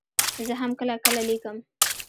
زه هم کله کله لیکم.